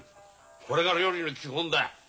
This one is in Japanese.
これが料理の基本だ。